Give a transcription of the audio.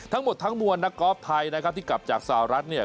ทั้งหมดทั้งมวลนักกอล์ฟไทยนะครับที่กลับจากสหรัฐเนี่ย